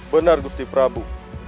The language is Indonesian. benar gusti prabu